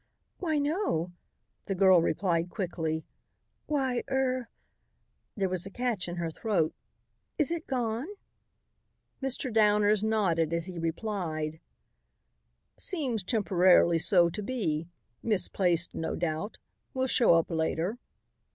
"Why, no," the girl replied quickly. "Why er" there was a catch in her throat "is it gone?" Mr. Downers nodded as he replied: "Seems temporarily so to be. Misplaced, no doubt. Will show up later."